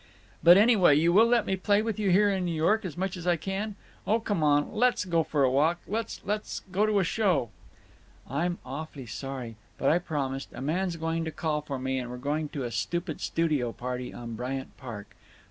"But, anyway, you will let me play with you here in New York as much as I can? Oh, come on, let's go for a walk—let's—let's go to a show." "I'm awf'ly sorry, but I promised—a man's going to call for me, and we're going to a stupid studio party on Bryant Park.